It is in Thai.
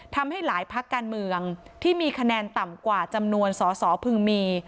ทำให้หลายพักการเมืองที่มีคะแนนต่ำกว่าจำนวนสอสอพึงมี